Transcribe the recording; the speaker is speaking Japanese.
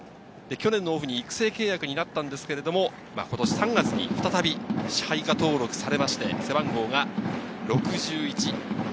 去年のオフに育成契約になりましたが、今年３月に再び支配登録されて背番号が６１。